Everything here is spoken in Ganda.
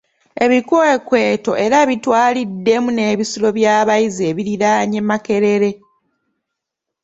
Ebikwekweto era bitwaliddemu n'ebisulo by'abayizi ebiriraanye Makerere.